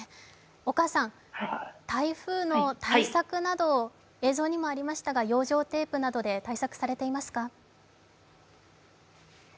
お母さん、台風の対策など映像にもありましたが、養生テープなどで対策されていますか？